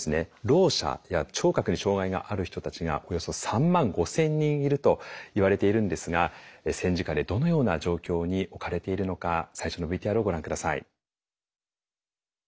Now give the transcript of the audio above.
ろう者や聴覚に障害がある人たちがおよそ３万５，０００人いるといわれているんですが戦時下でどのような状況に置かれているのか最初のＶＴＲをご覧下さい。